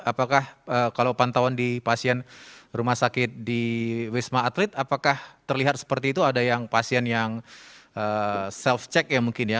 apakah kalau pantauan di pasien rumah sakit di wisma atlet apakah terlihat seperti itu ada yang pasien yang self check ya mungkin ya